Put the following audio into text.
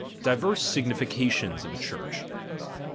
Divers significations of a Church.